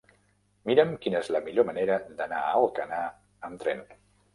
Mira'm quina és la millor manera d'anar a Alcanar amb tren.